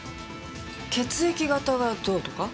血液型がどうとか。